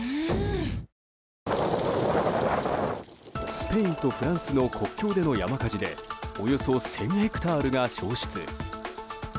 スペインとフランスの国境での山火事でおよそ１０００ヘクタールが焼失。